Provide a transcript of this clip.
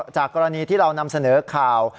จากกรณีที่เรานำเสนอข่าว